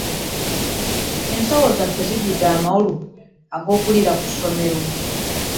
Ensawo zaffe zijjudde amawolu ag'okuliira ku ssomero.